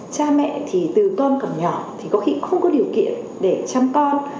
cha mẹ thì từ con còn nhỏ thì có khi không có điều kiện để chăm con